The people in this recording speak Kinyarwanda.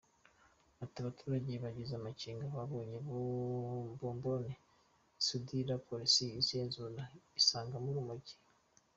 Ati “Abaturage bagize amakenga babonye bomboni zisudiye, polisi igenzuye isangamo urumogi.